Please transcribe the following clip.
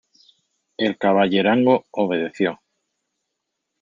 el caballerango obedeció.